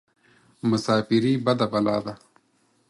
مساپرى بده بلا ده.